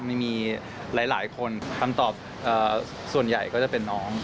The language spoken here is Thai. มีหลายคนคำตอบส่วนใหญ่ก็จะเป็นน้อง